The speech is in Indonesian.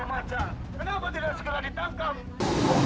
kenapa tidak sekarang ditangkap